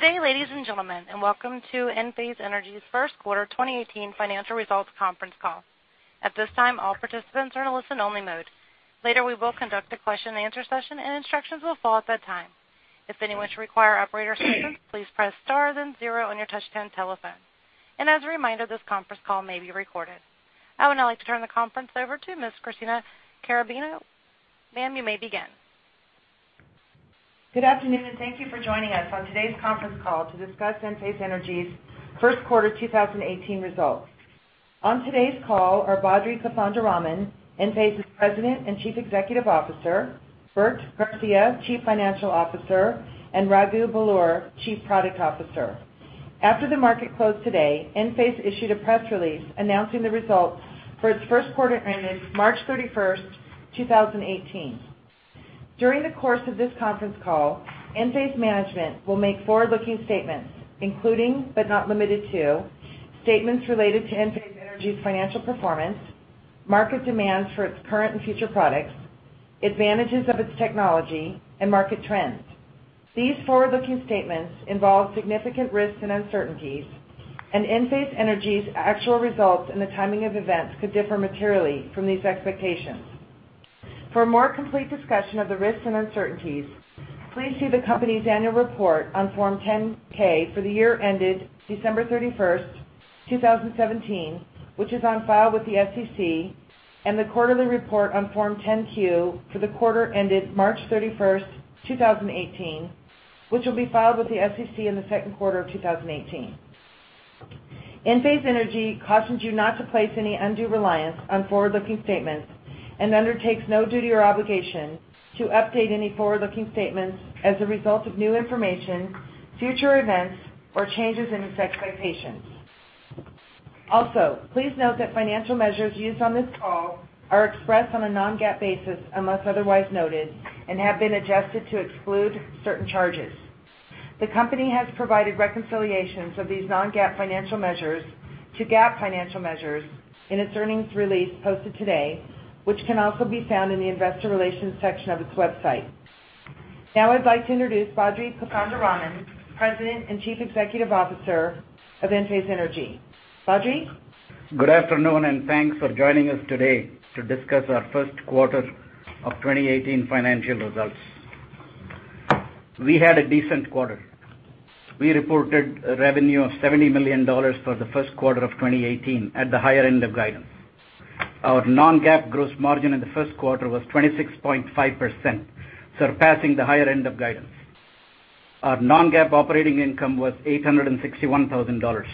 Good day, ladies and gentlemen, and welcome to Enphase Energy's first quarter 2018 financial results conference call. At this time, all participants are in a listen only mode. Later, we will conduct a question and answer session and instructions will follow at that time. If anyone should require operator assistance, please press star then zero on your touchtone telephone. As a reminder, this conference call may be recorded. I would now like to turn the conference over to Ms. Christina Carrabino. Ma'am, you may begin. Good afternoon, thank you for joining us on today's conference call to discuss Enphase Energy's first quarter 2018 results. On today's call are Badri Kothandaraman, Enphase's President and Chief Executive Officer, Bert Garcia, Chief Financial Officer, and Raghu Belur, Chief Products Officer. After the market closed today, Enphase issued a press release announcing the results for its first quarter ended March 31st, 2018. During the course of this conference call, Enphase management will make forward-looking statements, including, but not limited to, statements related to Enphase Energy's financial performance, market demands for its current and future products, advantages of its technology, and market trends. These forward-looking statements involve significant risks and uncertainties. Enphase Energy's actual results and the timing of events could differ materially from these expectations. For a more complete discussion of the risks and uncertainties, please see the company's annual report on Form 10-K for the year ended December 31st, 2017, which is on file with the SEC. The quarterly report on Form 10-Q for the quarter ended March 31st, 2018, which will be filed with the SEC in the second quarter of 2018. Enphase Energy cautions you not to place any undue reliance on forward-looking statements and undertakes no duty or obligation to update any forward-looking statements as a result of new information, future events, or changes in expectations. Please note that financial measures used on this call are expressed on a non-GAAP basis unless otherwise noted and have been adjusted to exclude certain charges. The company has provided reconciliations of these non-GAAP financial measures to GAAP financial measures in its earnings release posted today, which can also be found in the investor relations section of its website. I'd like to introduce Badri Kothandaraman, President and Chief Executive Officer of Enphase Energy. Badri? Good afternoon, and thanks for joining us today to discuss our first quarter of 2018 financial results. We had a decent quarter. We reported revenue of $70 million for the first quarter of 2018 at the higher end of guidance. Our non-GAAP gross margin in the first quarter was 26.5%, surpassing the higher end of guidance. Our non-GAAP operating income was $861,000.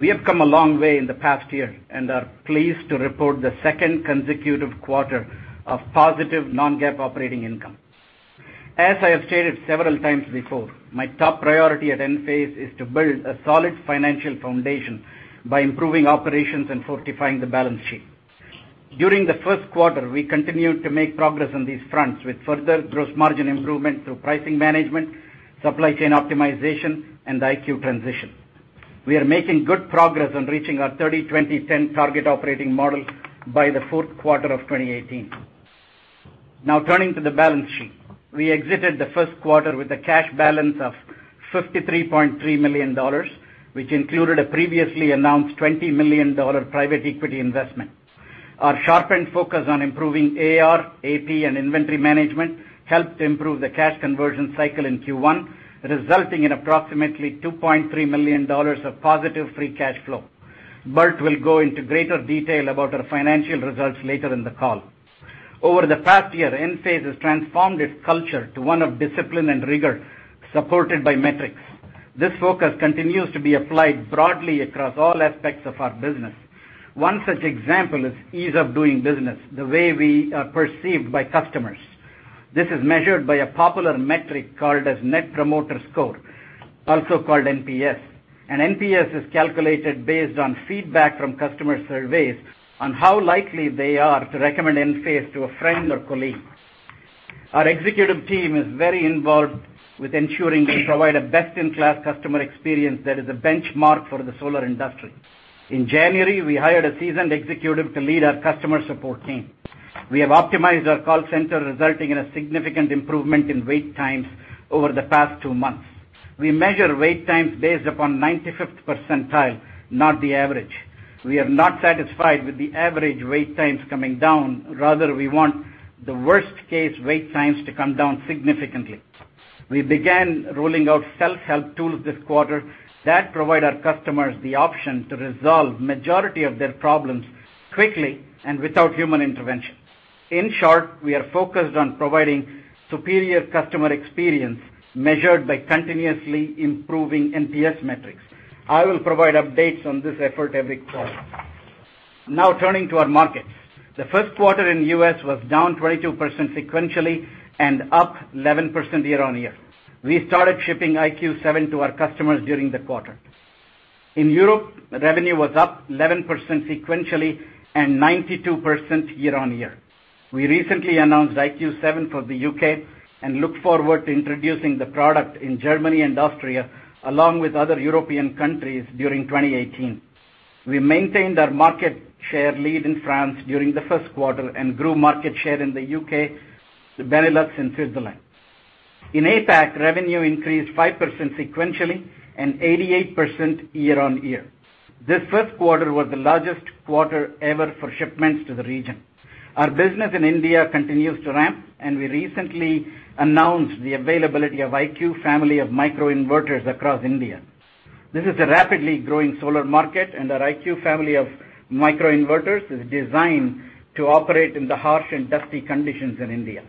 We have come a long way in the past year and are pleased to report the second consecutive quarter of positive non-GAAP operating income. As I have stated several times before, my top priority at Enphase is to build a solid financial foundation by improving operations and fortifying the balance sheet. During the first quarter, we continued to make progress on these fronts with further gross margin improvement through pricing management, supply chain optimization, and IQ transition. We are making good progress on reaching our 30/20/10 target operating model by the fourth quarter of 2018. Turning to the balance sheet. We exited the first quarter with a cash balance of $53.3 million, which included a previously announced $20 million private equity investment. Our sharpened focus on improving AR, AP, and inventory management helped improve the cash conversion cycle in Q1, resulting in approximately $2.3 million of positive free cash flow. Bert will go into greater detail about our financial results later in the call. Over the past year, Enphase has transformed its culture to one of discipline and rigor, supported by metrics. This focus continues to be applied broadly across all aspects of our business. One such example is ease of doing business, the way we are perceived by customers. This is measured by a popular metric called as Net Promoter Score, also called NPS. An NPS is calculated based on feedback from customer surveys on how likely they are to recommend Enphase to a friend or colleague. Our executive team is very involved with ensuring we provide a best-in-class customer experience that is a benchmark for the solar industry. In January, we hired a seasoned executive to lead our customer support team. We have optimized our call center, resulting in a significant improvement in wait times over the past two months. We measure wait times based upon 95th percentile, not the average. We are not satisfied with the average wait times coming down. Rather, we want the worst-case wait times to come down significantly. We began rolling out self-help tools this quarter that provide our customers the option to resolve majority of their problems quickly and without human intervention. In short, we are focused on providing superior customer experience measured by continuously improving NPS metrics. I will provide updates on this effort every quarter. Turning to our markets. The first quarter in the U.S. was down 22% sequentially and up 11% year-on-year. We started shipping IQ 7 to our customers during the quarter. In Europe, revenue was up 11% sequentially and 92% year-on-year. We recently announced IQ 7 for the U.K. and look forward to introducing the product in Germany and Austria, along with other European countries during 2018. We maintained our market share lead in France during the first quarter and grew market share in the U.K., the Benelux, and Switzerland. In APAC, revenue increased 5% sequentially and 88% year-on-year. This first quarter was the largest quarter ever for shipments to the region. Our business in India continues to ramp. We recently announced the availability of IQ family of microinverters across India. This is a rapidly growing solar market, and our IQ family of microinverters is designed to operate in the harsh and dusty conditions in India.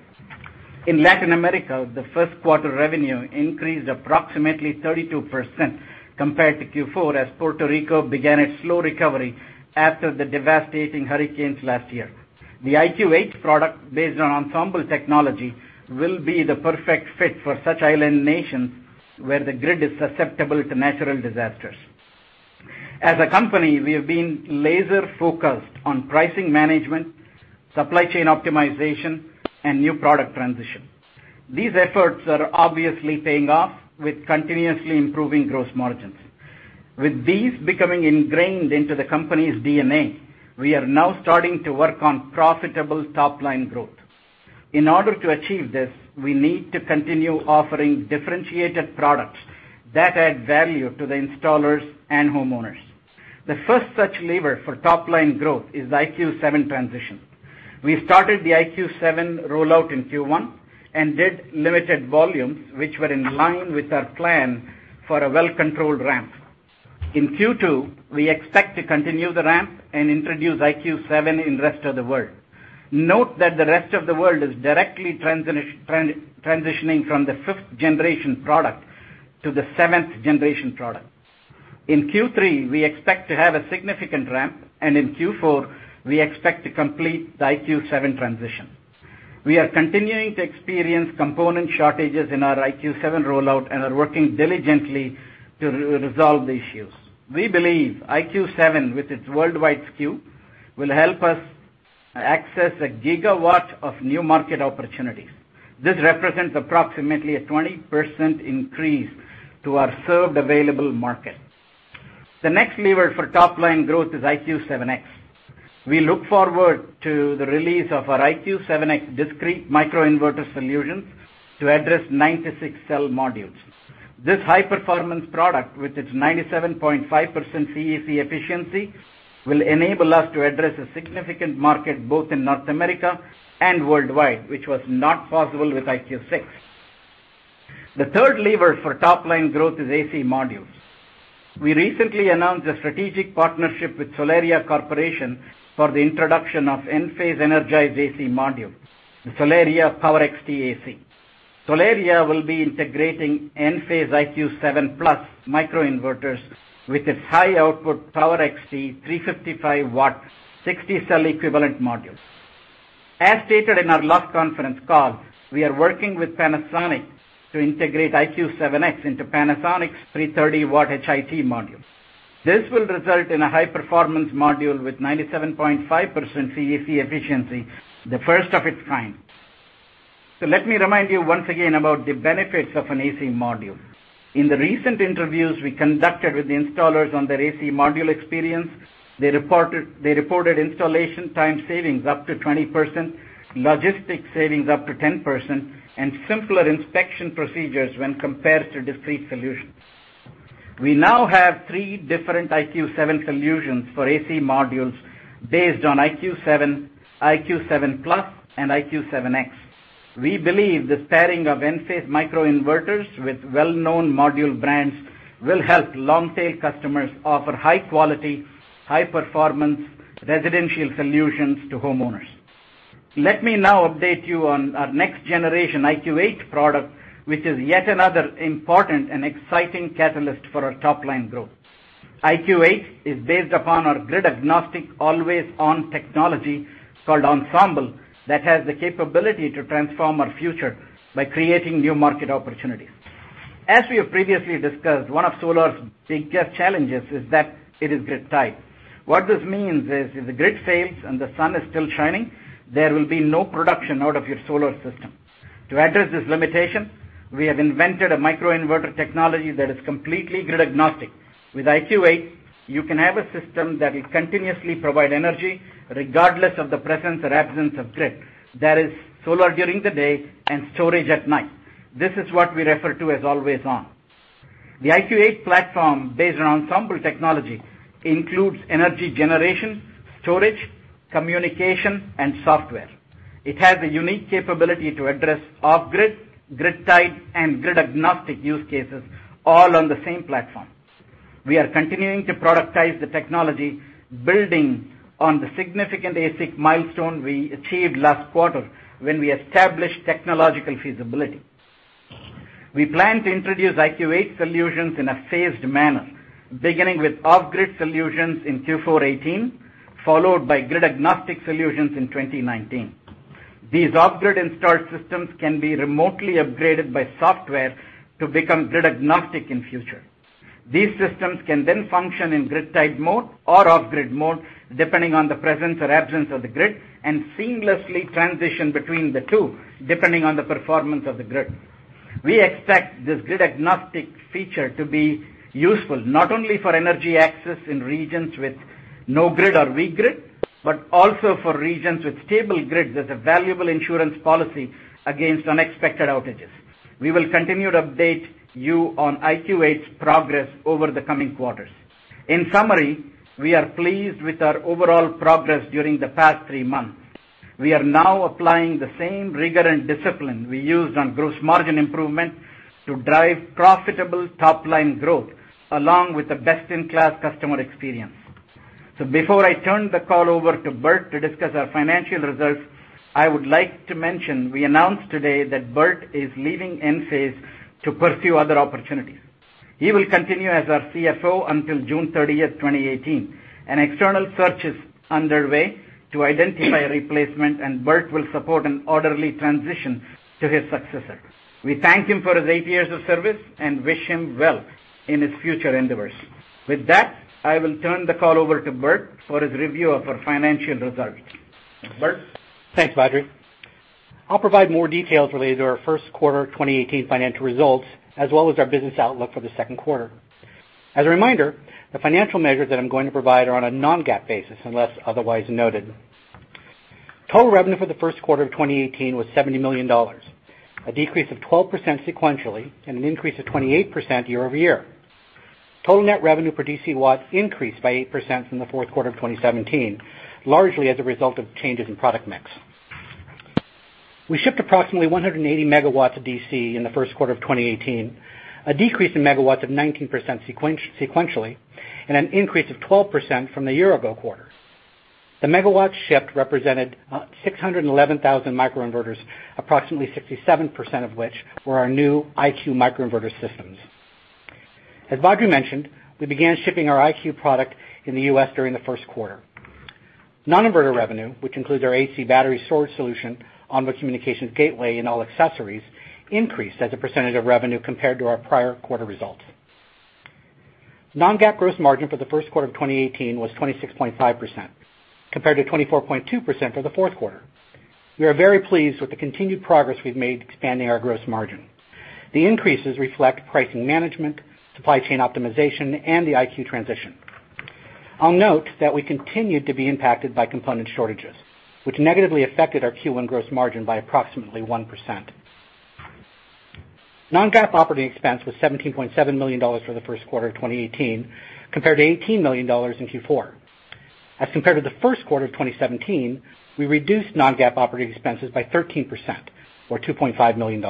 In Latin America, the first quarter revenue increased approximately 32% compared to Q4, as Puerto Rico began its slow recovery after the devastating hurricanes last year. The IQ8 product, based on Ensemble technology, will be the perfect fit for such island nations, where the grid is susceptible to natural disasters. As a company, we have been laser-focused on pricing management, supply chain optimization, and new product transition. These efforts are obviously paying off with continuously improving gross margins. With these becoming ingrained into the company's DNA, we are now starting to work on profitable top-line growth. In order to achieve this, we need to continue offering differentiated products that add value to the installers and homeowners. The first such lever for top-line growth is the IQ7 transition. We started the IQ7 rollout in Q1 and did limited volumes, which were in line with our plan for a well-controlled ramp. In Q2, we expect to continue the ramp and introduce IQ7 in rest of the world. Note that the rest of the world is directly transitioning from the fifth-generation product to the seventh-generation product. In Q3, we expect to have a significant ramp, and in Q4, we expect to complete the IQ7 transition. We are continuing to experience component shortages in our IQ7 rollout and are working diligently to resolve the issues. We believe IQ7, with its worldwide SKU, will help us access a gigawatt of new market opportunities. This represents approximately a 20% increase to our served available market. The next lever for top-line growth is IQ7X. We look forward to the release of our IQ7X discrete microinverter solutions to address 96-cell modules. This high-performance product, with its 97.5% CEC efficiency, will enable us to address a significant market both in North America and worldwide, which was not possible with IQ6. The third lever for top-line growth is AC modules. We recently announced a strategic partnership with Solaria Corporation for the introduction of Enphase energized AC module, the Solaria PowerXT AC. Solaria will be integrating Enphase IQ7+ microinverters with its high output PowerXT 355-watt, 60-cell-equivalent modules. As stated in our last conference call, we are working with Panasonic to integrate IQ7X into Panasonic's 330-watt HIT modules. This will result in a high-performance module with 97.5% CEC efficiency, the first of its kind. Let me remind you once again about the benefits of an AC module. In the recent interviews we conducted with the installers on their AC module experience, they reported installation time savings up to 20%, logistics savings up to 10%, and simpler inspection procedures when compared to discrete solutions. We now have three different IQ7 solutions for AC modules based on IQ7+, and IQ7X. We believe this pairing of Enphase microinverters with well-known module brands will help long-tail customers offer high-quality, high-performance residential solutions to homeowners. Let me now update you on our next-generation IQ8 product, which is yet another important and exciting catalyst for our top-line growth. IQ8 is based upon our grid-agnostic, always-on technology called Ensemble, that has the capability to transform our future by creating new market opportunities. As we have previously discussed, one of solar's biggest challenges is that it is grid-tied. What this means is, if the grid fails and the sun is still shining, there will be no production out of your solar system. To address this limitation, we have invented a microinverter technology that is completely grid-agnostic. With IQ8, you can have a system that will continuously provide energy regardless of the presence or absence of grid. That is solar during the day and storage at night. This is what we refer to as always-on. The IQ8 platform, based on Ensemble technology, includes energy generation, storage, communication, and software. It has a unique capability to address off-grid, grid-tied, and grid-agnostic use cases all on the same platform. We are continuing to productize the technology, building on the significant ASIC milestone we achieved last quarter when we established technological feasibility. We plan to introduce IQ8 solutions in a phased manner, beginning with off-grid solutions in Q4 2018, followed by grid-agnostic solutions in 2019. These off-grid installed systems can be remotely upgraded by software to become grid-agnostic in future. These systems can then function in grid-tied mode or off-grid mode, depending on the presence or absence of the grid, and seamlessly transition between the two, depending on the performance of the grid. We expect this grid-agnostic feature to be useful not only for energy access in regions with no grid or weak grid, but also for regions with stable grids as a valuable insurance policy against unexpected outages. We will continue to update you on IQ8's progress over the coming quarters. In summary, we are pleased with our overall progress during the past three months. We are now applying the same rigor and discipline we used on gross margin improvement to drive profitable top-line growth, along with a best-in-class customer experience. Before I turn the call over to Bert to discuss our financial results, I would like to mention, we announced today that Bert is leaving Enphase to pursue other opportunities. He will continue as our CFO until June 30th, 2018. An external search is underway to identify a replacement, and Bert will support an orderly transition to his successor. We thank him for his eight years of service and wish him well in his future endeavors. With that, I will turn the call over to Bert for his review of our financial results. Bert? Thanks, Badri. I'll provide more details related to our first quarter 2018 financial results, as well as our business outlook for the second quarter. As a reminder, the financial measures that I'm going to provide are on a non-GAAP basis, unless otherwise noted. Total revenue for the first quarter of 2018 was $70 million, a decrease of 12% sequentially and an increase of 28% year-over-year. Total net revenue per DC watt increased by 8% from the fourth quarter of 2017, largely as a result of changes in product mix. We shipped approximately 180 megawatts of DC in the first quarter of 2018, a decrease in megawatts of 19% sequentially and an increase of 12% from the year-ago quarter. The megawatt shift represented 611,000 microinverters, approximately 67% of which were our new IQ microinverter systems. As Badri mentioned, we began shipping our IQ product in the U.S. during the first quarter. Non-inverter revenue, which includes our AC battery storage solution, onboard communications gateway, and all accessories, increased as a percentage of revenue compared to our prior quarter results. Non-GAAP gross margin for the first quarter of 2018 was 26.5%, compared to 24.2% for the fourth quarter. We are very pleased with the continued progress we've made expanding our gross margin. The increases reflect pricing management, supply chain optimization, and the IQ transition. I'll note that we continued to be impacted by component shortages, which negatively affected our Q1 gross margin by approximately 1%. Non-GAAP operating expense was $17.7 million for the first quarter of 2018, compared to $18 million in Q4. As compared to the first quarter of 2017, we reduced Non-GAAP operating expenses by 13%, or $2.5 million.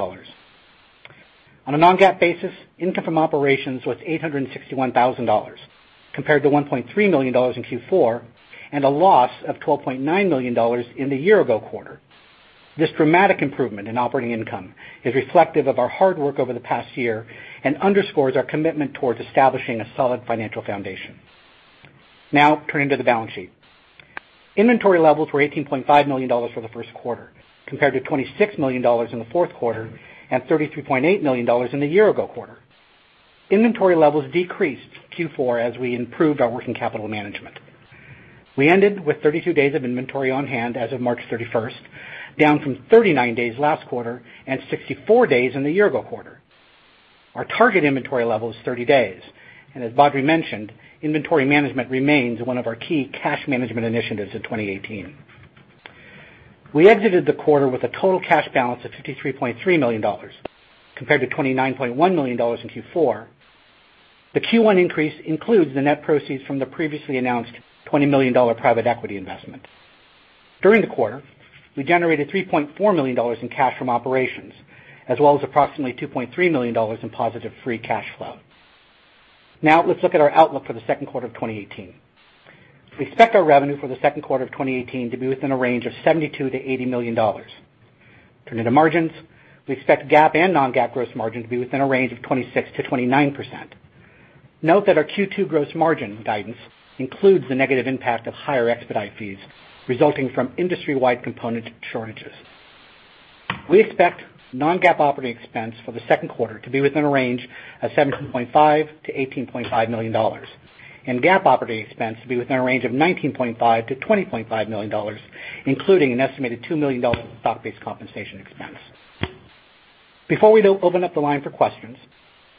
On a Non-GAAP basis, income from operations was $861,000, compared to $1.3 million in Q4, and a loss of $12.9 million in the year-ago quarter. This dramatic improvement in operating income is reflective of our hard work over the past year and underscores our commitment towards establishing a solid financial foundation. Now, turning to the balance sheet. Inventory levels were $18.5 million for the first quarter, compared to $26 million in the fourth quarter and $33.8 million in the year-ago quarter. Inventory levels decreased Q4 as we improved our working capital management. We ended with 32 days of inventory on hand as of March 31st, down from 39 days last quarter and 64 days in the year-ago quarter. Our target inventory level is 30 days, and as Badri mentioned, inventory management remains one of our key cash management initiatives in 2018. We exited the quarter with a total cash balance of $53.3 million, compared to $29.1 million in Q4. The Q1 increase includes the net proceeds from the previously announced $20 million private equity investment. During the quarter, we generated $3.4 million in cash from operations, as well as approximately $2.3 million in positive free cash flow. Now let's look at our outlook for the second quarter of 2018. We expect our revenue for the second quarter of 2018 to be within a range of $72 million-$80 million. Turning to margins, we expect GAAP and Non-GAAP gross margin to be within a range of 26%-29%. Note that our Q2 gross margin guidance includes the negative impact of higher expedite fees resulting from industry-wide component shortages. We expect Non-GAAP operating expense for the second quarter to be within a range of $17.5 million-$18.5 million and GAAP operating expense to be within a range of $19.5 million-$20.5 million, including an estimated $2 million stock-based compensation expense. Before we open up the line for questions,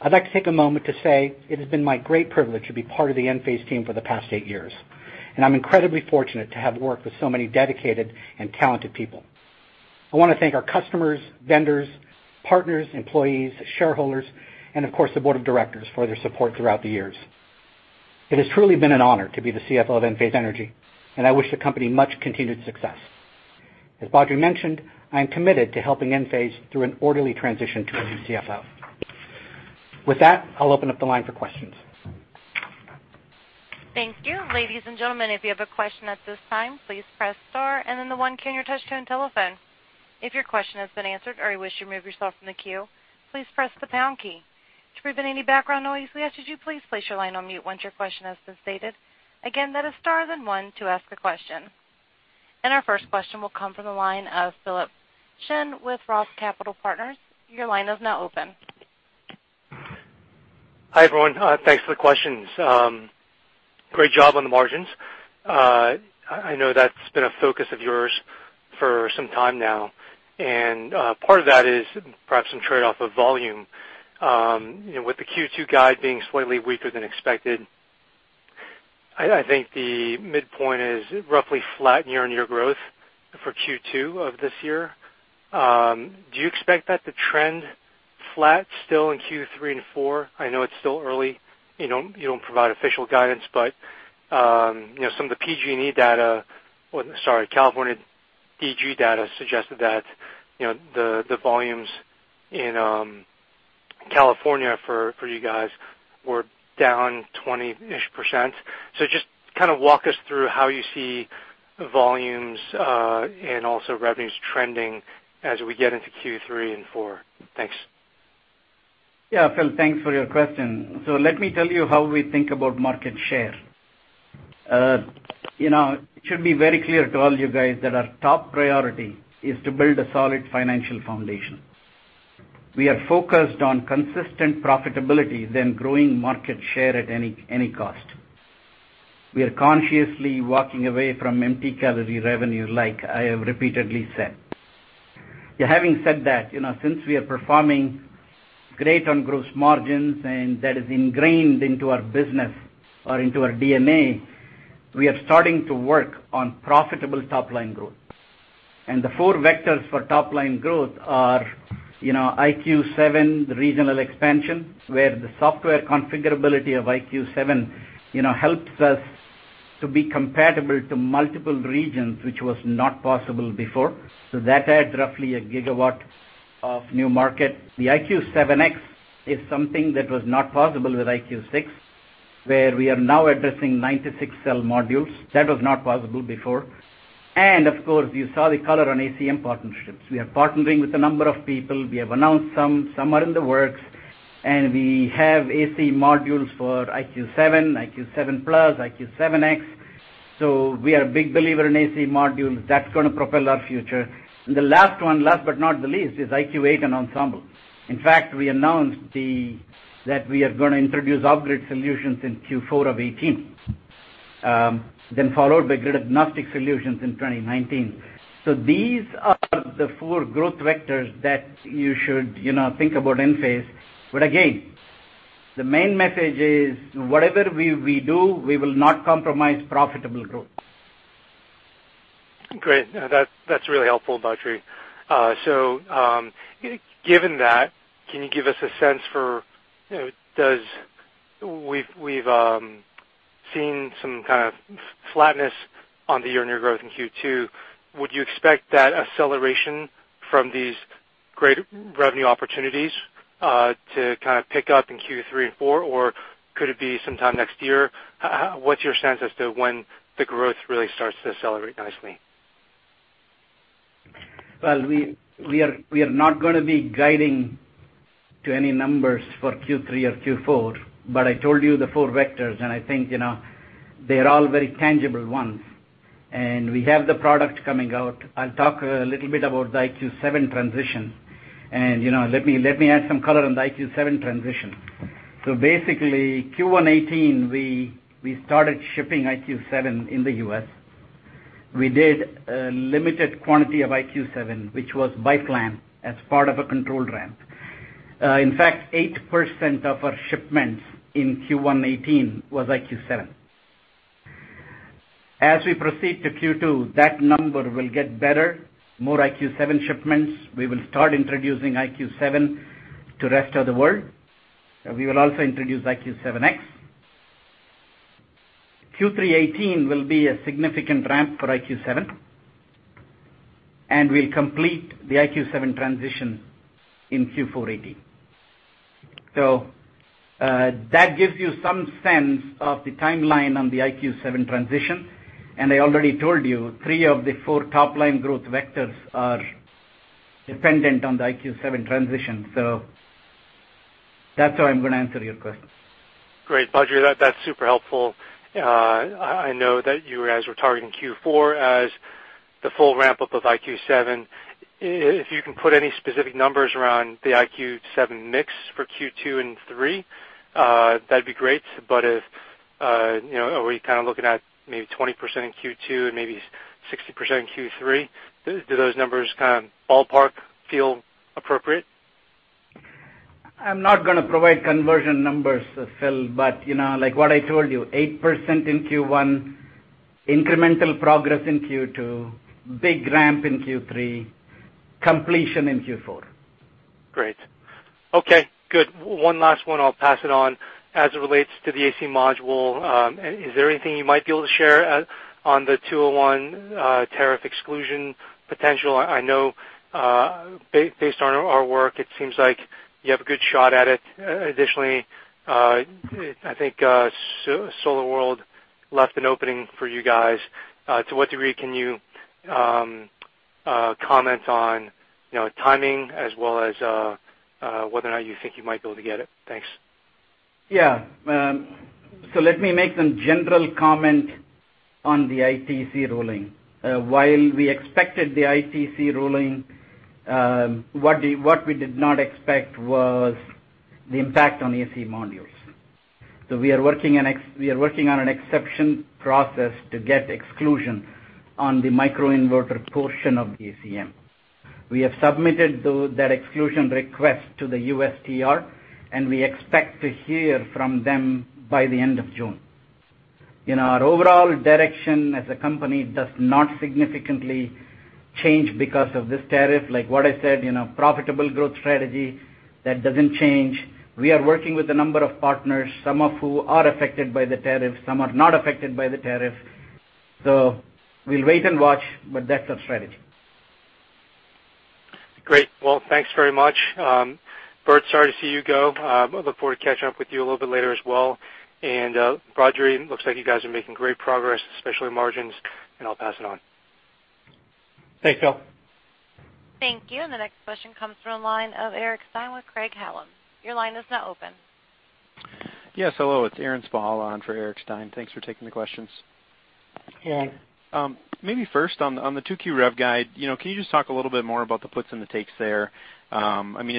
I'd like to take a moment to say it has been my great privilege to be part of the Enphase team for the past eight years, and I'm incredibly fortunate to have worked with so many dedicated and talented people. I want to thank our customers, vendors, partners, employees, shareholders, and of course, the board of directors for their support throughout the years. It has truly been an honor to be the CFO of Enphase Energy, and I wish the company much continued success. As Badri mentioned, I am committed to helping Enphase through an orderly transition to a new CFO. With that, I'll open up the line for questions. Thank you. Ladies and gentlemen, if you have a question at this time, please press star and then the one key on your touch-tone telephone. If your question has been answered or you wish to remove yourself from the queue, please press the pound key. To prevent any background noise, we ask that you please place your line on mute once your question has been stated. Again, that is star, then one to ask a question. Our first question will come from the line of Philip Shen with Roth Capital Partners. Your line is now open Hi, everyone. Thanks for the questions. Great job on the margins. I know that's been a focus of yours for some time now, and part of that is perhaps some trade-off of volume. With the Q2 guide being slightly weaker than expected, I think the midpoint is roughly flat year-over-year growth for Q2 of this year. Do you expect that to trend flat still in Q3 and Q4? I know it's still early. You don't provide official guidance, but some of the PG&E data, or sorry, California DG data suggested that the volumes in California for you guys were down 20%. Just walk us through how you see volumes, and also revenues trending as we get into Q3 and Q4. Thanks. Phil, thanks for your question. Let me tell you how we think about market share. It should be very clear to all you guys that our top priority is to build a solid financial foundation. We are focused on consistent profitability than growing market share at any cost. We are consciously walking away from empty calorie revenue like I have repeatedly said. Having said that, since we are performing great on gross margins, that is ingrained into our business or into our DNA, we are starting to work on profitable top-line growth. The four vectors for top-line growth are IQ 7, the regional expansion, where the software configurability of IQ 7, helps us to be compatible to multiple regions, which was not possible before. That adds roughly a gigawatt of new market. The IQ 7X is something that was not possible with IQ 6, where we are now addressing 96-cell modules. That was not possible before. Of course, you saw the color on ACM partnerships. We are partnering with a number of people. We have announced some are in the works, and we have AC modules for IQ 7, IQ 7 Plus, IQ 7X. We are a big believer in AC modules. That's going to propel our future. The last one, last but not the least, is IQ 8 and Ensemble. In fact, we announced that we are going to introduce off-grid solutions in Q4 of 2018, followed by grid-agnostic solutions in 2019. These are the four growth vectors that you should think about Enphase. Again, the main message is whatever we do, we will not compromise profitable growth. Great. No, that's really helpful, Badri. Given that, can you give us a sense for-- We've seen some kind of flatness on the year-over-year growth in Q2. Would you expect that acceleration from these great revenue opportunities to kind of pick up in Q3 and Q4? Could it be sometime next year? What's your sense as to when the growth really starts to accelerate nicely? We are not going to be guiding to any numbers for Q3 or Q4, I told you the four vectors, I think they're all very tangible ones. We have the product coming out. I'll talk a little bit about the IQ 7 transition, let me add some color on the IQ 7 transition. Basically, Q1 2018, we started shipping IQ 7 in the U.S. We did a limited quantity of IQ 7, which was by plan as part of a control ramp. In fact, 8% of our shipments in Q1 2018 was IQ 7. As we proceed to Q2, that number will get better, more IQ 7 shipments. We will start introducing IQ 7 to rest of the world. We will also introduce IQ 7X. Q3 2018 will be a significant ramp for IQ 7, we'll complete the IQ 7 transition in Q4 2018. That gives you some sense of the timeline on the IQ 7 transition, I already told you, three of the four top-line growth vectors are dependent on the IQ 7 transition. That's how I'm going to answer your question. Great, Badri. I know that you guys were targeting Q4 as the full ramp-up of IQ 7. If you can put any specific numbers around the IQ 7 mix for Q2 and three, that'd be great. Are we kind of looking at maybe 20% in Q2 and maybe 60% in Q3? Do those numbers kind of ballpark feel appropriate? I'm not going to provide conversion numbers, Phil, but like what I told you, 8% in Q1, incremental progress in Q2, big ramp in Q3, completion in Q4. Great. Okay, good. One last one, I'll pass it on. As it relates to the AC module, is there anything you might be able to share on the 201 tariff exclusion potential? I know, based on our work, it seems like you have a good shot at it. Additionally, I think SolarWorld left an opening for you guys. To what degree can you comment on timing as well as whether or not you think you might be able to get it? Thanks. Let me make some general comment on the ITC ruling. While we expected the ITC ruling, what we did not expect was the impact on AC modules. We are working on an exception process to get exclusion on the microinverter portion of the ACM. We have submitted that exclusion request to the USTR, and we expect to hear from them by the end of June. Our overall direction as a company does not significantly change because of this tariff. Like what I said, profitable growth strategy, that doesn't change. We are working with a number of partners, some of who are affected by the tariff, some are not affected by the tariff. We'll wait and watch, but that's our strategy. Great. Well, thanks very much. Bert, sorry to see you go. I look forward to catching up with you a little bit later as well. Badri, looks like you guys are making great progress, especially margins, and I'll pass it on. Thanks, Phil. Thank you. The next question comes from the line of Eric Stine with Craig-Hallum. Your line is now open. Yes. Hello. It's Aaron Spychalla on for Eric Stine. Thanks for taking the questions. Yeah. Maybe first, on the 2Q rev guide, can you just talk a little bit more about the puts and the takes there? Is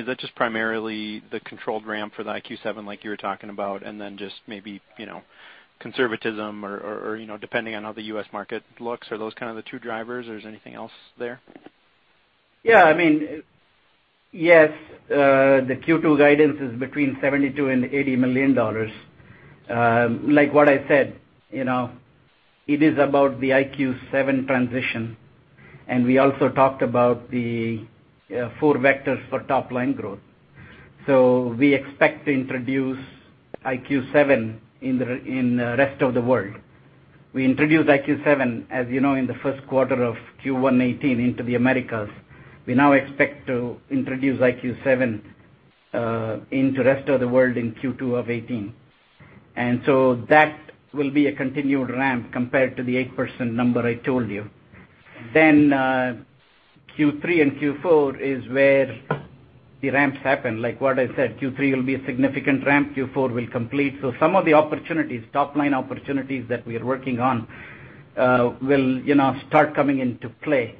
that just primarily the controlled ramp for the IQ7, like you were talking about, and then just maybe conservatism or depending on how the U.S. market looks? Are those kind of the two drivers, or is there anything else there? Yeah. Yes, the Q2 guidance is between $72 million and $80 million. Like what I said, it is about the IQ7 transition. We also talked about the four vectors for top-line growth. We expect to introduce IQ7 in the rest of the world. We introduced IQ7, as you know, in the first quarter of Q1 2018 into the Americas. We now expect to introduce IQ7 into rest of the world in Q2 of 2018. That will be a continued ramp compared to the 8% number I told you. Q3 and Q4 is where the ramps happen. Like what I said, Q3 will be a significant ramp, Q4 will complete. Some of the top-line opportunities that we are working on will start coming into play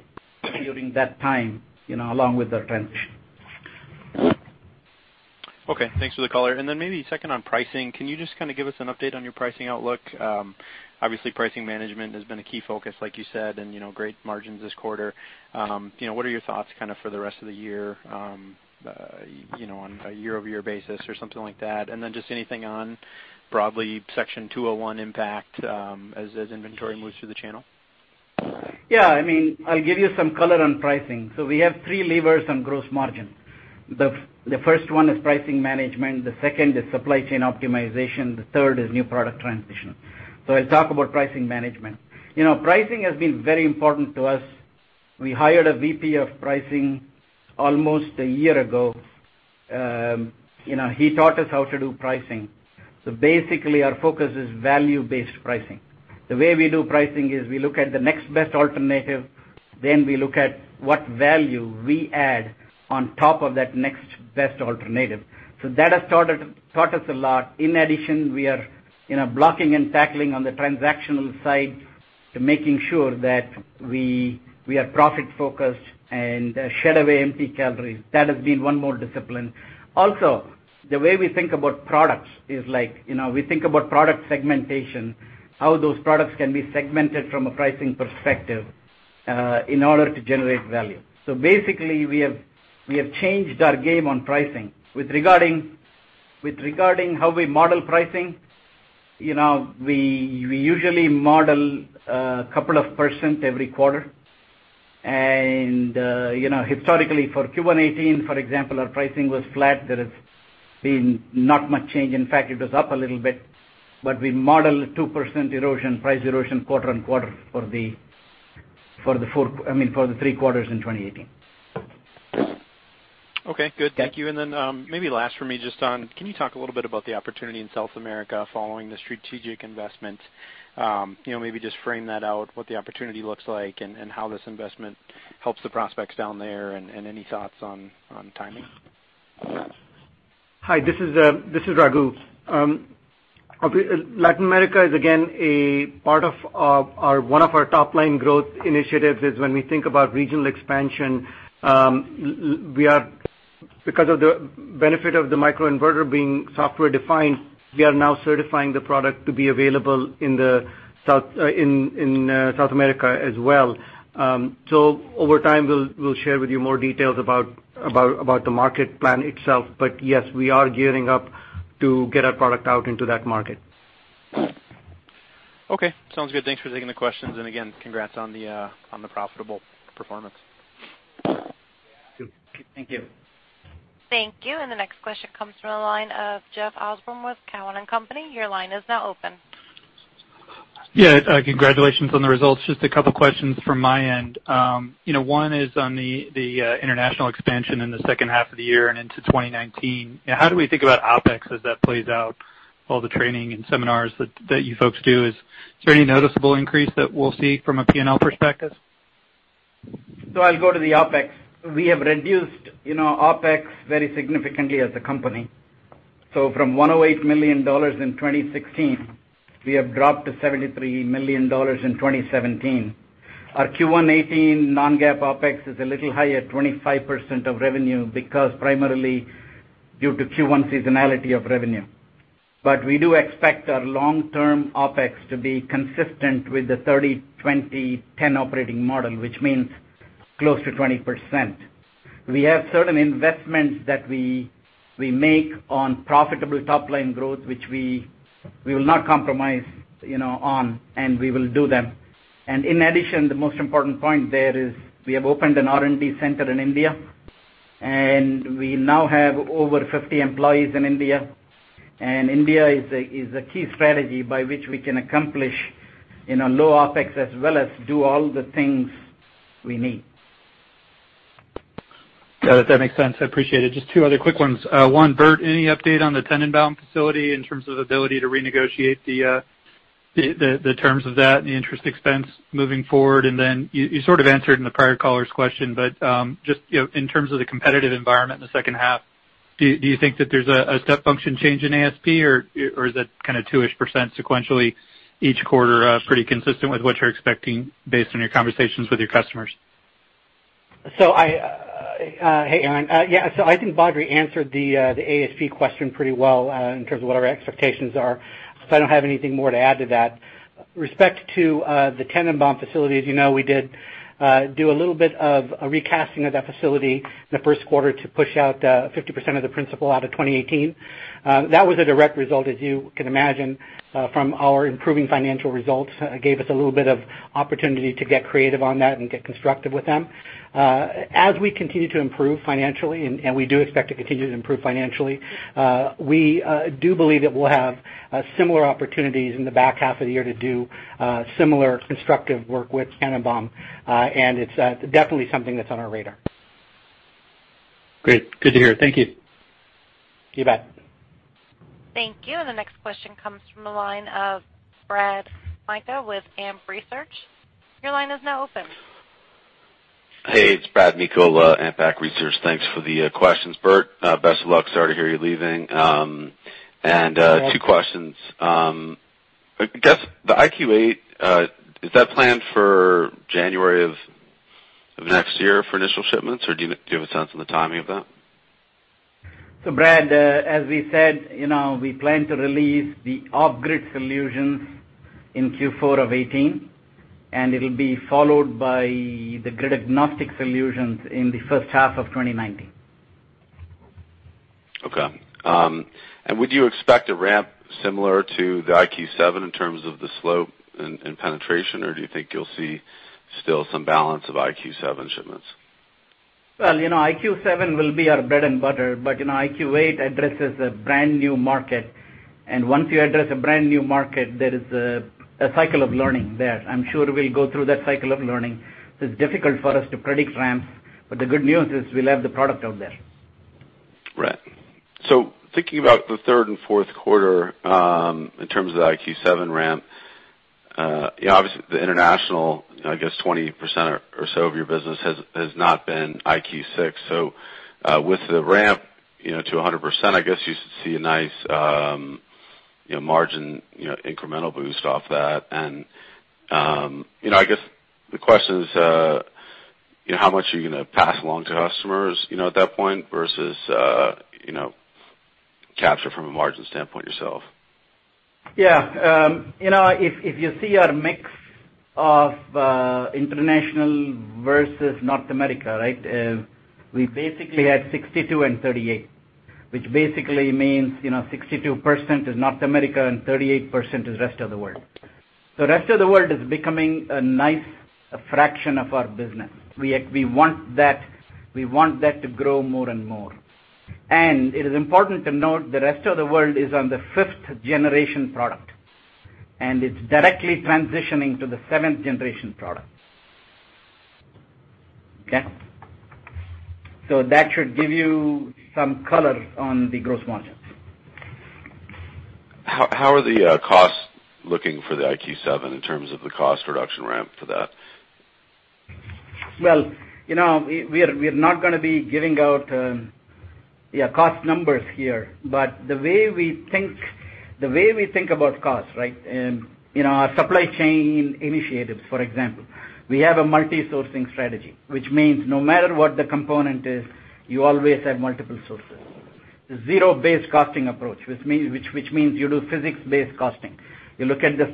during that time, along with the transition. Okay. Thanks for the color. Maybe second on pricing, can you just kind of give us an update on your pricing outlook? Obviously, pricing management has been a key focus, like you said, and great margins this quarter. What are your thoughts for the rest of the year, on a year-over-year basis or something like that? Just anything on broadly Section 201 impact, as inventory moves through the channel? Yeah. I'll give you some color on pricing. We have three levers on gross margin. The first one is pricing management, the second is supply chain optimization, the third is new product transition. I'll talk about pricing management. Pricing has been very important to us. We hired a VP of pricing almost a year ago. He taught us how to do pricing. Basically, our focus is value-based pricing. The way we do pricing is we look at the next best alternative. We look at what value we add on top of that next best alternative. That has taught us a lot. In addition, we are blocking and tackling on the transactional side to making sure that we are profit-focused and shed away empty calories. That has been one more discipline. The way we think about products is, we think about product segmentation, how those products can be segmented from a pricing perspective, in order to generate value. Basically, we have changed our game on pricing. With regarding how we model pricing, we usually model a couple of percent every quarter. Historically for Q1 2018, for example, our pricing was flat. There has been not much change. In fact, it was up a little bit. We model 2% price erosion quarter-on-quarter for the three quarters in 2018. Okay, good. Thank you. Then, maybe last for me, can you talk a little bit about the opportunity in South America following the strategic investment? Maybe just frame that out, what the opportunity looks like and how this investment helps the prospects down there, any thoughts on timing? Hi, this is Raghu. Latin America is, again, one of our top-line growth initiatives when we think about regional expansion. Because of the benefit of the microinverter being software-defined, we are now certifying the product to be available in South America as well. Over time, we'll share with you more details about the market plan itself. Yes, we are gearing up to get our product out into that market. Okay, sounds good. Thanks for taking the questions, again, congrats on the profitable performance. Thank you. Thank you. The next question comes from the line of Jeff Osborne with Cowen and Company. Your line is now open. Yeah. Congratulations on the results. Just a couple questions from my end. One is on the international expansion in the second half of the year and into 2019. How do we think about OpEx as that plays out, all the training and seminars that you folks do? Is there any noticeable increase that we'll see from a P&L perspective? I'll go to the OpEx. We have reduced OpEx very significantly as a company. From $108 million in 2016, we have dropped to $73 million in 2017. Our Q1 2018 non-GAAP OpEx is a little high at 25% of revenue, because primarily due to Q1 seasonality of revenue. We do expect our long-term OpEx to be consistent with the 30/20/10 operating model, which means close to 20%. We have certain investments that we make on profitable top-line growth, which we will not compromise on, and we will do them. In addition, the most important point there is, we have opened an R&D center in India, and we now have over 50 employees in India. India is a key strategy by which we can accomplish low OpEx as well as do all the things we need. That makes sense. I appreciate it. Just two other quick ones. One, Bert, any update on the Tennenbaum facility in terms of ability to renegotiate the terms of that and the interest expense moving forward? You sort of answered in the prior caller's question, but just in terms of the competitive environment in the second half, do you think that there's a step function change in ASP, or is that kind of two-ish% sequentially each quarter, pretty consistent with what you're expecting based on your conversations with your customers? Hey, Aaron. I think Badri answered the ASP question pretty well in terms of what our expectations are. I don't have anything more to add to that. With respect to the Tennenbaum facility, as you know, we did do a little bit of a recasting of that facility in the first quarter to push out 50% of the principal out of 2018. That was a direct result, as you can imagine, from our improving financial results. Gave us a little bit of opportunity to get creative on that and get constructive with them. As we continue to improve financially, we do expect to continue to improve financially, we do believe that we'll have similar opportunities in the back half of the year to do similar constructive work with Tennenbaum. It's definitely something that's on our radar. Great. Good to hear. Thank you. You bet. Thank you. The next question comes from the line of Brad Meikle with G. Research. Your line is now open. Hey, it's Brad Meikle, G. Research. Thanks for the questions. Bert, best of luck. Sorry to hear you're leaving. Two questions. I guess the IQ8, is that planned for January of 2019 for initial shipments, or do you have a sense of the timing of that? Brad, as we said, we plan to release the off-grid solutions in Q4 of 2018, and it'll be followed by the grid-agnostic solutions in the first half of 2019. Okay. Would you expect a ramp similar to the IQ7 in terms of the slope and penetration, or do you think you'll see still some balance of IQ7 shipments? IQ 7 will be our bread and butter, but IQ 8 addresses a brand-new market. Once you address a brand-new market, there is a cycle of learning there. I'm sure we'll go through that cycle of learning. It's difficult for us to predict ramps, but the good news is we'll have the product out there. Right. Thinking about the third and fourth quarter in terms of the IQ 7 ramp, obviously the international, I guess 20% or so of your business has not been IQ 6. With the ramp to 100%, I guess you should see a nice margin incremental boost off that. I guess the question is, how much are you going to pass along to customers at that point versus capture from a margin standpoint yourself? Yeah. If you see our mix of international versus North America, we basically had 62 and 38, which basically means 62% is North America and 38% is rest of the world. Rest of the world is becoming a nice fraction of our business. We want that to grow more and more. It is important to note, the rest of the world is on the fifth-generation product, and it's directly transitioning to the seventh-generation product. Okay? That should give you some color on the gross margins. How are the costs looking for the IQ 7 in terms of the cost reduction ramp for that? Well, we're not going to be giving out cost numbers here, but the way we think about cost, in our supply chain initiatives, for example. We have a multi-sourcing strategy, which means no matter what the component is, you always have multiple sources. Zero-based costing approach, which means you do physics-based costing. You look at the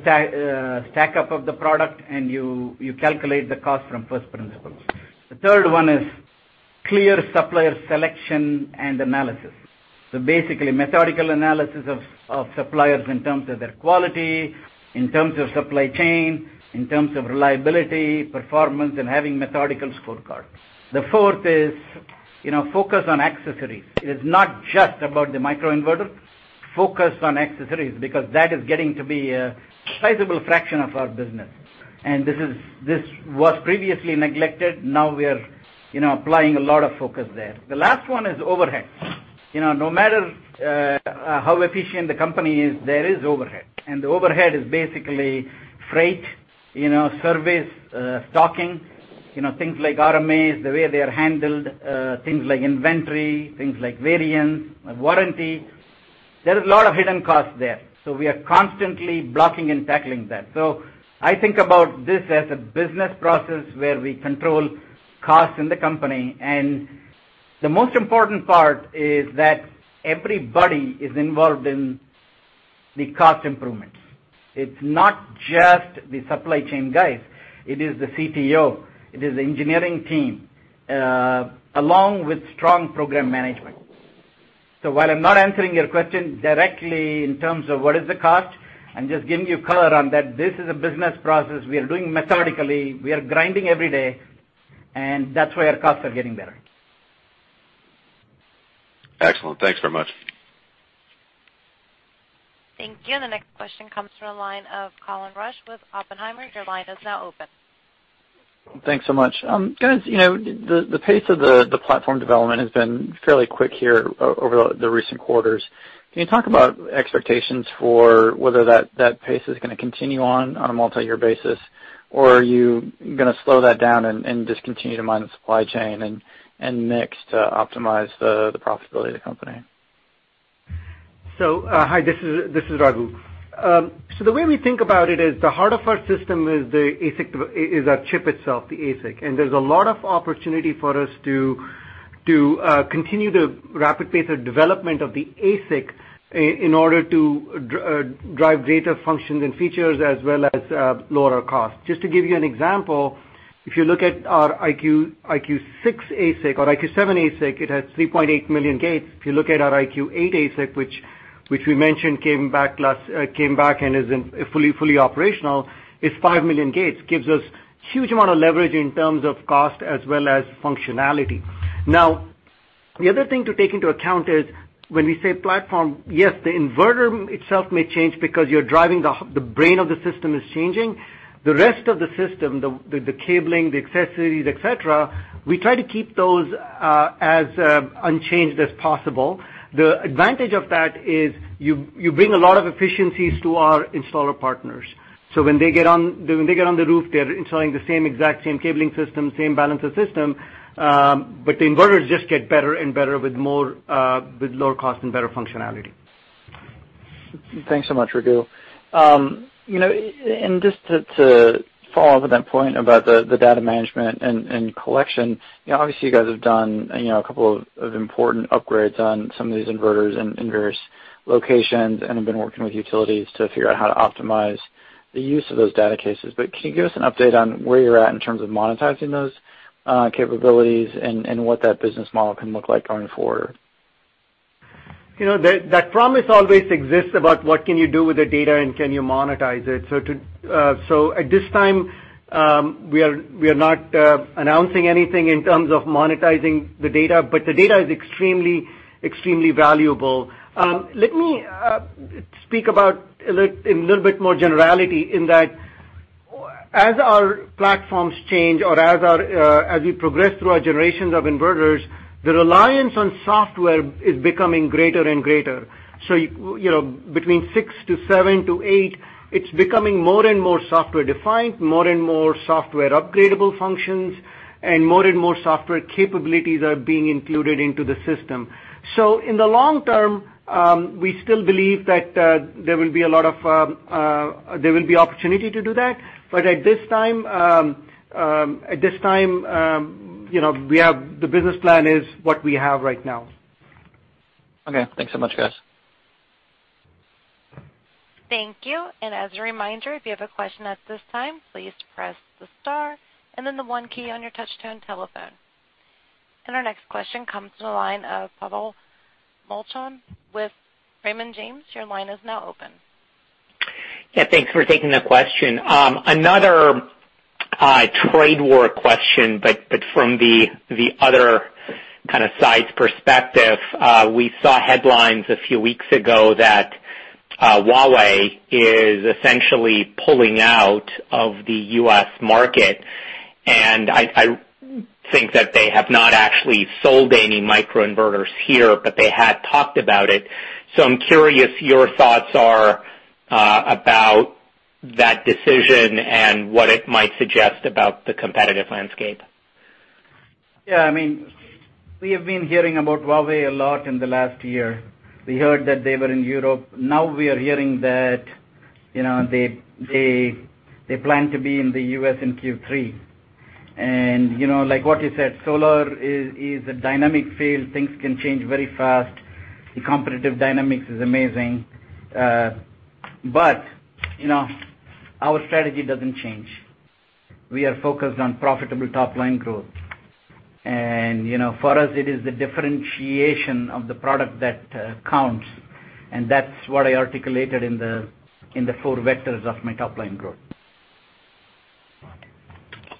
stackup of the product, and you calculate the cost from first principles. The third one is clear supplier selection and analysis. Basically, methodical analysis of suppliers in terms of their quality, in terms of supply chain, in terms of reliability, performance, and having methodical scorecards. The fourth is focus on accessories. It is not just about the microinverter. Focus on accessories, because that is getting to be a sizable fraction of our business. This was previously neglected. Now we are applying a lot of focus there. The last one is overhead. No matter how efficient the company is, there is overhead. The overhead is basically freight, service, stocking, things like RMA, the way they are handled, things like inventory, things like variants, warranty. There is a lot of hidden costs there. We are constantly blocking and tackling that. I think about this as a business process where we control costs in the company. The most important part is that everybody is involved in the cost improvements. It's not just the supply chain guys. It is the CTO, it is the engineering team, along with strong program management. While I'm not answering your question directly in terms of what is the cost, I'm just giving you color on that this is a business process we are doing methodically. We are grinding every day, that's why our costs are getting better. Excellent. Thanks very much. Thank you. The next question comes from the line of Colin Rusch with Oppenheimer. Your line is now open. Thanks so much. Guys, the pace of the platform development has been fairly quick here over the recent quarters. Can you talk about expectations for whether that pace is going to continue on a multi-year basis, or are you going to slow that down and just continue to mine the supply chain and mix to optimize the profitability of the company? Hi, this is Raghu. The way we think about it is the heart of our system is our chip itself, the ASIC. There's a lot of opportunity for us to continue the rapid pace of development of the ASIC in order to drive data functions and features as well as lower our costs. Just to give you an example, if you look at our IQ6 ASIC or IQ7 ASIC, it has 3.8 million gates. If you look at our IQ8 ASIC, which we mentioned came back and is fully operational, is 5 million gates. Gives us huge amount of leverage in terms of cost as well as functionality. The other thing to take into account is when we say platform, yes, the inverter itself may change because you're driving the brain of the system is changing. The rest of the system, the cabling, the accessories, et cetera, we try to keep those as unchanged as possible. The advantage of that is you bring a lot of efficiencies to our installer partners. When they get on the roof, they're installing the same exact cabling system, same balancer system, but the inverters just get better and better with lower cost and better functionality. Thanks so much, Raghu. Just to follow up with that point about the data management and collection, obviously you guys have done a couple of important upgrades on some of these inverters in various locations and have been working with utilities to figure out how to optimize the use of those data cases. Can you give us an update on where you're at in terms of monetizing those capabilities and what that business model can look like going forward? That promise always exists about what can you do with the data, and can you monetize it. At this time, we are not announcing anything in terms of monetizing the data, but the data is extremely valuable. Let me speak about in a little bit more generality in that as our platforms change or as we progress through our generations of inverters, the reliance on software is becoming greater and greater. Between IQ 6 to IQ 7 to IQ 8, it's becoming more and more software-defined, more and more software-upgradeable functions, and more and more software capabilities are being included into the system. In the long term, we still believe that there will be opportunity to do that. At this time, the business plan is what we have right now. Okay. Thanks so much, guys. Thank you. As a reminder, if you have a question at this time, please press the star and then the one key on your touchtone telephone. Our next question comes from the line of Pavel Molchan with Raymond James. Your line is now open. Yeah, thanks for taking the question. Another trade war question, from the other kind of side's perspective. We saw headlines a few weeks ago that Huawei is essentially pulling out of the U.S. market. I think that they have not actually sold any microinverters here, but they had talked about it. I'm curious your thoughts are about that decision and what it might suggest about the competitive landscape. We have been hearing about Huawei a lot in the last year. We heard that they were in Europe. Now we are hearing that they plan to be in the U.S. in Q3. Like what you said, solar is a dynamic field. Things can change very fast. The competitive dynamics is amazing. Our strategy doesn't change. We are focused on profitable top-line growth. For us, it is the differentiation of the product that counts, and that's what I articulated in the four vectors of my top-line growth.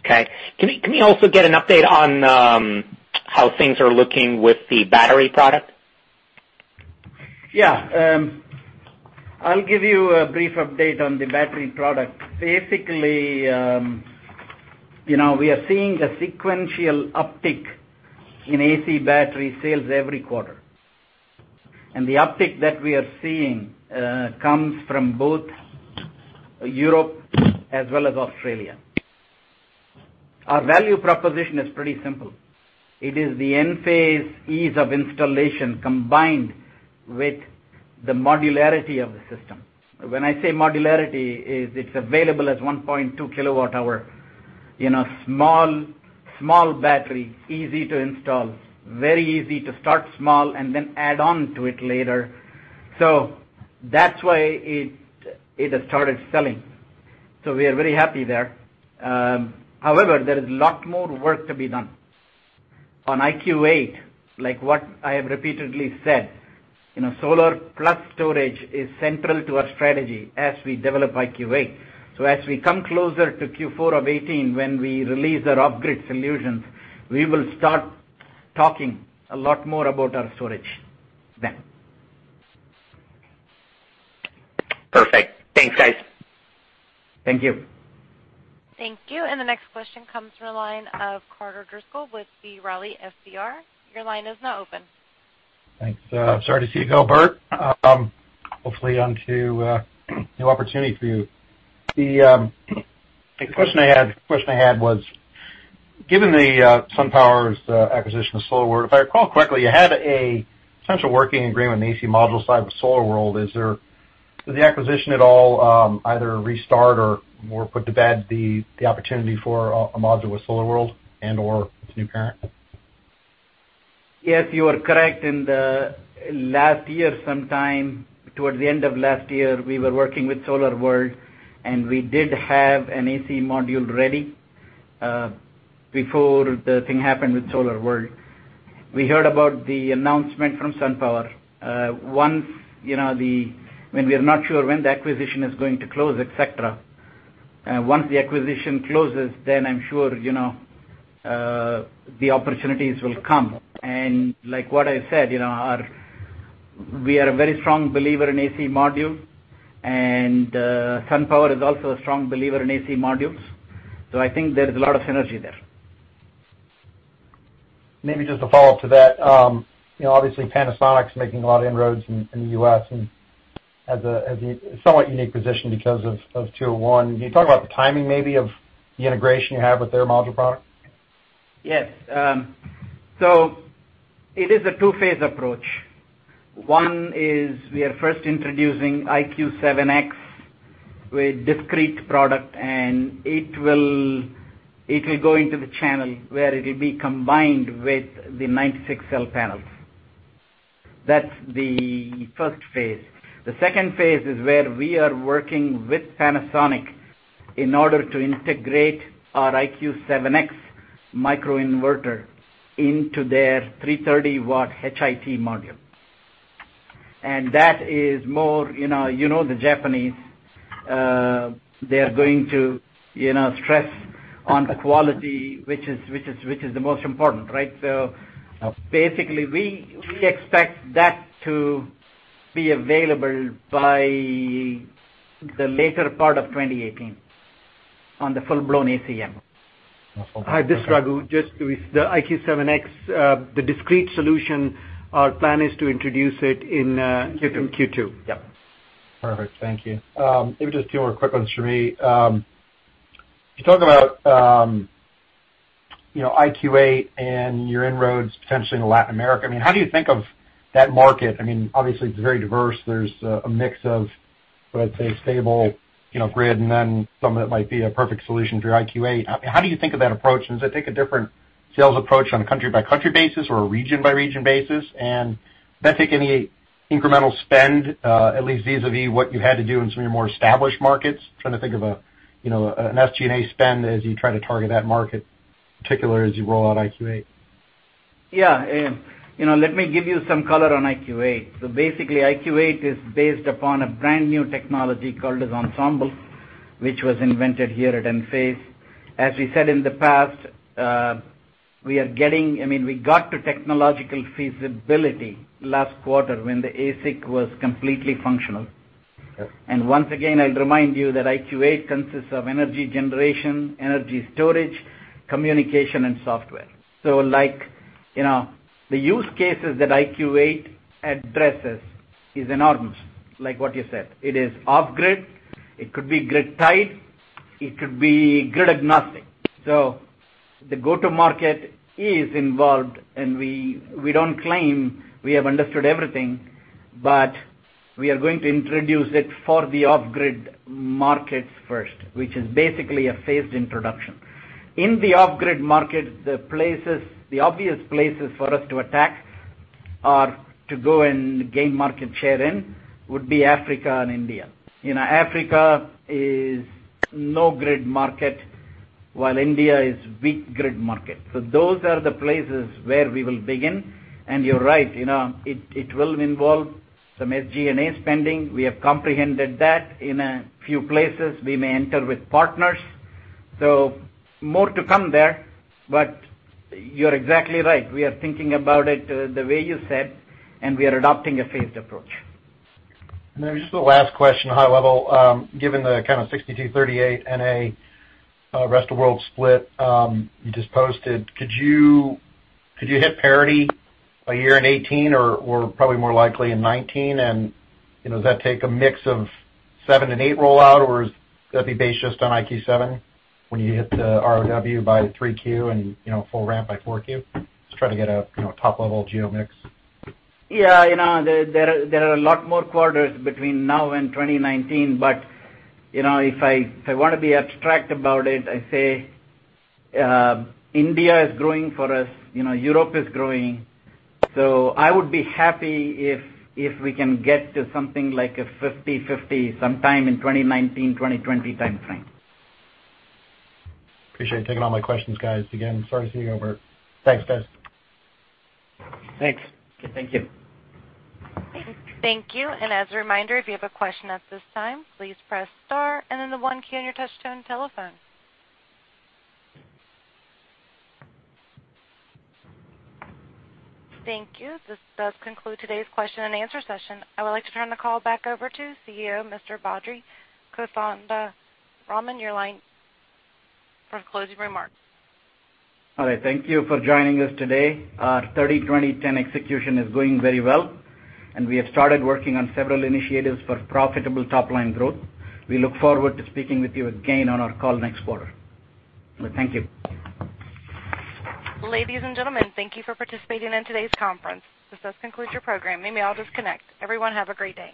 Can we also get an update on how things are looking with the battery product? I'll give you a brief update on the battery product. Basically, we are seeing a sequential uptick in AC battery sales every quarter. The uptick that we are seeing, comes from both Europe as well as Australia. Our value proposition is pretty simple. It is the Enphase ease of installation combined with the modularity of the system. When I say modularity, is it's available as 1.2 kilowatt hour, small battery, easy to install, very easy to start small and then add on to it later. That's why it has started selling. We are very happy there. However, there is lot more work to be done. On IQ8, like what I have repeatedly said, solar plus storage is central to our strategy as we develop IQ8. As we come closer to Q4 of 2018, when we release our off-grid solutions, we will start talking a lot more about our storage then. Perfect. Thanks, guys. Thank you. Thank you. The next question comes from the line of Carter Driscoll with B. Riley. Your line is now open. Thanks. Sorry to see you go, Bert. Hopefully onto a new opportunity for you. The question I had was, given SunPower's acquisition of SolarWorld, if I recall correctly, you had a potential working agreement on the AC module side with SolarWorld. Does the acquisition at all, either restart or put to bed the opportunity for a module with SolarWorld and/or its new parent? Yes, you are correct. In the last year, sometime towards the end of last year, we were working with SolarWorld, and we did have an AC module ready, before the thing happened with SolarWorld. We heard about the announcement from SunPower. When we are not sure when the acquisition is going to close, et cetera. Once the acquisition closes, then I'm sure, the opportunities will come. Like what I said, we are a very strong believer in AC module, and SunPower is also a strong believer in AC modules. I think there is a lot of synergy there. Maybe just a follow-up to that. Obviously Panasonic's making a lot of inroads in the U.S., and has a somewhat unique position because of 201. Can you talk about the timing maybe of the integration you have with their module product? Yes. It is a two-phase approach. One is we are first introducing IQ 7X with discrete product, and it will go into the channel where it'll be combined with the 96 cell panels. That's the first phase. The second phase is where we are working with Panasonic in order to integrate our IQ 7X microinverter into their 330-watt HIT module. That is more, you know the Japanese, they're going to stress on the quality, which is the most important, right? Basically we expect that to be available by the later part of 2018 on the full-blown ACM. Hi, this is Raghu. The IQ 7X, the discrete solution, our plan is to introduce it in Q2. Yep. Perfect. Thank you. Maybe just a few more quick ones for me. You talk about IQ 8 and your inroads potentially into Latin America. How do you think of that market? Obviously it's very diverse. There's a mix of, let's say stable grid and then some that might be a perfect solution for your IQ 8. Does that take a different sales approach on a country-by-country basis or a region-by-region basis? Does that take any incremental spend, at least vis-a-vis what you had to do in some of your more established markets? Trying to think of an SG&A spend as you try to target that market, particularly as you roll out IQ 8. Yeah. Let me give you some color on IQ 8. Basically, IQ 8 is based upon a brand-new technology called as Ensemble, which was invented here at Enphase. As we said in the past, we got to technological feasibility last quarter when the ASIC was completely functional. Yep. Once again, I'll remind you that IQ 8 consists of energy generation, energy storage, communication, and software. Like, the use cases that IQ 8 addresses is enormous, like what you said. It is off-grid, it could be grid-tied, it could be grid-agnostic. The go-to market is involved, we don't claim we have understood everything, but we are going to introduce it for the off-grid markets first, which is basically a phased introduction. In the off-grid market, the obvious places for us to attack are to go and gain market share in would be Africa and India. Africa is no grid market, while India is weak grid market. Those are the places where we will begin. You're right, it will involve some SG&A spending. We have comprehended that. In a few places, we may enter with partners. More to come there. You're exactly right. We are thinking about it the way you said, we are adopting a phased approach. Just the last question, high level. Given the kind of 62/38 NA, rest of world split you just posted, could you hit parity a year in 2018 or probably more likely in 2019? Does that take a mix of IQ 7 and IQ 8 rollout, or would that be based just on IQ 7 when you hit the ROW by 3Q and full ramp by 4Q? Just trying to get a top level geo mix. Yeah. There are a lot more quarters between now and 2019, if I want to be abstract about it, I'd say India is growing for us, Europe is growing. I would be happy if we can get to something like a 50/50 sometime in 2019, 2020 timeframe. Appreciate you taking all my questions, guys. Again, sorry to see you over. Thanks, guys. Thanks. Thank you. Thank you. As a reminder, if you have a question at this time, please press star and then the 1 key on your touchtone telephone. Thank you. This does conclude today's question and answer session. I would like to turn the call back over to CEO, Mr. Badri Kothandaraman, your line for closing remarks. All right, thank you for joining us today. Our 30/20/10 execution is going very well. We have started working on several initiatives for profitable top-line growth. We look forward to speaking with you again on our call next quarter. Thank you. Ladies and gentlemen, thank you for participating in today's conference. This does conclude your program. You may all disconnect. Everyone, have a great day.